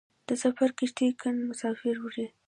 د سفر کښتۍ ګڼ مسافر وړي.